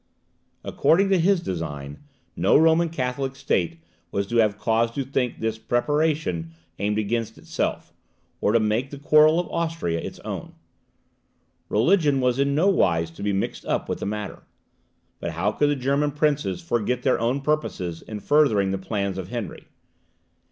According to his design, no Roman Catholic state was to have cause to think this preparation aimed against itself, or to make the quarrel of Austria its own. Religion was in nowise to be mixed up with the matter. But how could the German princes forget their own purposes in furthering the plans of Henry?